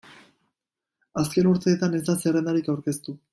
Azken urteetan ez da zerrendarik aurkeztu.